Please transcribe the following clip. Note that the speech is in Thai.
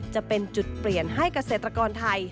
จะเป็นจุดเปลี่ยนให้เกษตรกรไทย